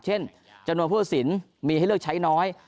จำนวนผู้ตัดสินมีให้เลือกใช้น้อย